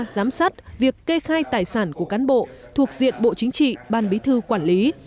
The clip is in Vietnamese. giám sát việc kê khai tài sản của cán bộ thuộc diện bộ chính trị ban bí thư quản lý